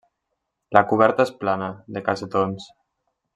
La coberta és plana, de cassetons.